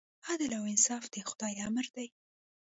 عدل او انصاف د خدای امر دی.